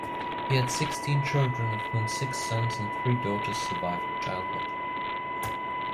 He had sixteen children of whom six sons and three daughters survived childhood.